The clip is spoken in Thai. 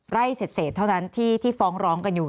ไล่เสร็จเท่านั้นที่ฟ้องร้องกันอยู่